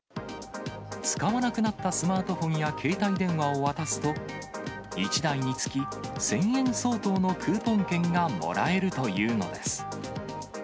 使わなくなったスマートフォンや携帯電話を渡すと、１台につき１０００円相当のクーポン券がもらえるというのです。